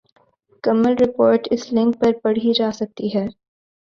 کمل report اس link پر پڑھی جا سکتی ہے ۔